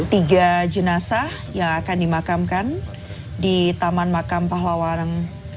tiga jenazah yang akan dimakamkan di taman makam pahlawan